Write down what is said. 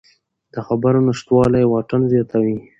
د خبرو نشتوالی واټن زیاتوي